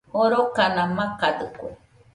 Jorokana makadɨkue